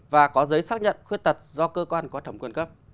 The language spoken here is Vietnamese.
và có giấy xác nhận khuyết tật do cơ quan có thẩm quyền cấp